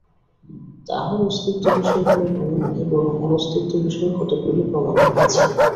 তাঁহার অস্তিত্ব-বিষয়ে কোন প্রমাণ নাই, বরং অনস্তিত্ব-বিষয়ে কতকগুলি প্রমাণ আছে।